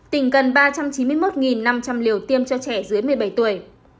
tỉnh cần ba trăm chín mươi một năm trăm linh liều tiêm cho trẻ dưới một mươi bảy tuổi